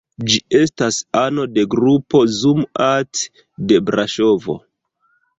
Ŝi estas ano de grupo "Zoom-art" de Braŝovo.